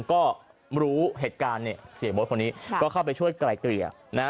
ก็รู้เหตุการณ์เนี่ยเสียโบ๊ทคนนี้ก็เข้าไปช่วยไกลเกลี่ยนะฮะ